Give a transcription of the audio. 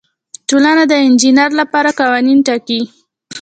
ټولنه د انجینر لپاره قوانین ټاکي.